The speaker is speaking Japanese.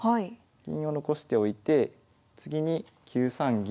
銀を残しておいて次に９三銀。